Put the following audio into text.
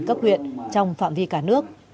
cấp huyện trong phạm vi cả nước